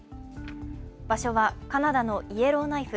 場所はカナダのイエローナイフ。